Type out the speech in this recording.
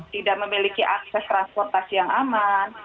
tidak memiliki akses transportasi yang aman